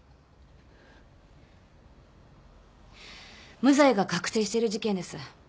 無罪が確定してる事件です。